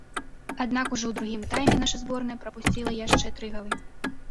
Аднак ужо ў другім тайме наша зборная прапусціла яшчэ тры галы.